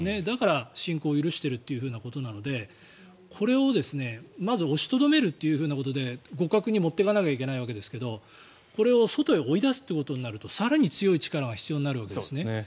だから、侵攻を許しているということなのでこれをまず押しとどめるというふうなことで互角に持っていかないといけないわけですがこれを外へ追い出すということになると更に強い力が必要になるわけです。